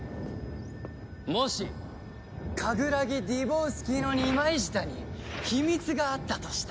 もしカグラギ・ディボウスキの二枚舌に秘密があったとしたら。